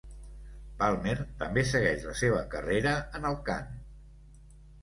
Palmer també segueix la seva carrera en el cant.